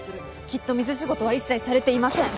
きっと水仕事は一切されていません。